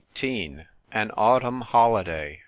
AN AUTUMN HOLIDAY.